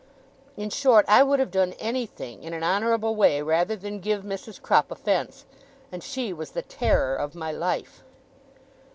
In short, I would have done anything in an honourable way rather than give Mrs. Crupp offence; and she was the terror of my life.